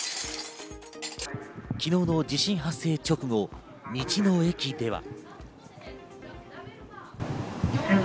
昨日の地震発生直後、道の駅では。